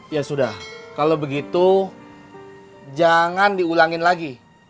ya sudah kalau begitu jangan diulangin lagi